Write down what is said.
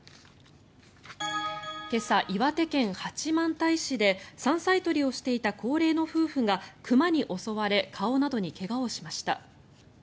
今朝、岩手県八幡平市で山菜採りをしていた高齢の夫婦が熊に襲われ顔などに怪我をしました。